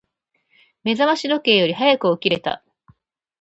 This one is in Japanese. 目覚まし時計より早く起きれた。